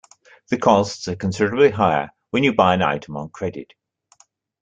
The costs are considerably higher when you buy an item on credit.